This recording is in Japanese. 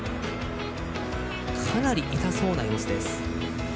かなり痛そうな様子。